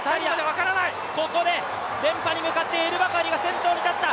ここで連覇に向かってエルバカリが先頭に立った。